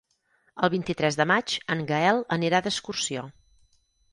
El vint-i-tres de maig en Gaël anirà d'excursió.